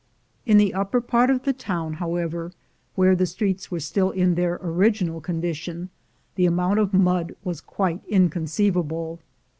In the upper part of the town, however, where the streets were still in their original condition, the amount of mud was quite inconceivable.